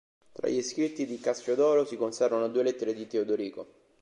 Tra gli scritti di Cassiodoro si conservano due lettere di Teodorico.